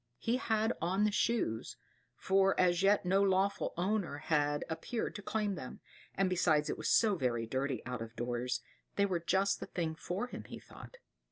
He had on the Shoes; for as yet no lawful owner had appeared to claim them; and besides it was so very dirty out of doors, they were just the thing for him, he thought.